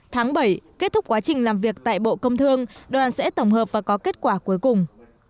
tháng bảy kết thúc quá trình làm việc tại bộ công thương đoàn sẽ tổng hợp và có kết quả cuối cùng